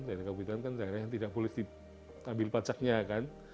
daerah kabuyutan kan daerah yang tidak boleh diambil pajaknya kan